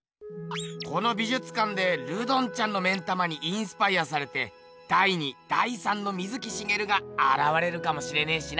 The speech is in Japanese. この美術館でルドンちゃんの目ん玉にインスパイアされて第２第３の水木しげるがあらわれるかもしれねえしな。